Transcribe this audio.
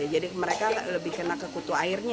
jadi mereka lebih kena kekutu airnya